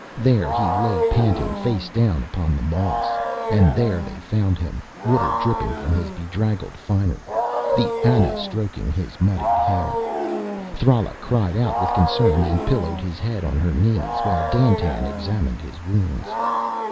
There he lay panting, face down upon the moss. And there they found him, water dripping from his bedraggled finery, the Ana stroking his muddied hair. Thrala cried out with concern and pillowed his head on her knees while Dandtan examined his wounds.